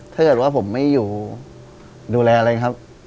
ถ้าจะรู้ว่าผมไม่อยู่ดูแลอะไรนะครับ